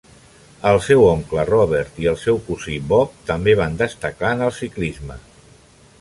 El seu oncle Robert, i el seu cosí Bob, també van destacar en el ciclisme.